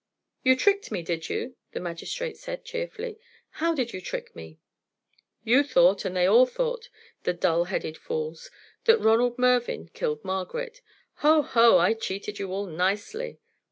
"You tricked me, did you?" the magistrate said, cheerfully. "How did you trick me?" "You thought, and they all thought, the dull headed fools, that Ronald Mervyn killed Margaret. Ho! ho! I cheated you all nicely."